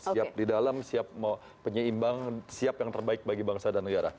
siap di dalam siap mau penyeimbang siap yang terbaik bagi bangsa dan negara